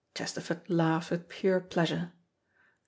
Chesterford laughed with pure pleasure.